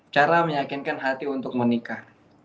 cara meyakinkan hati untuk menikah